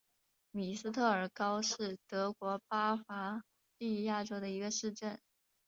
米斯特尔高是德国巴伐利亚州的一个市镇。